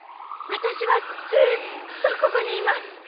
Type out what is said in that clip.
私はずっとここにいます。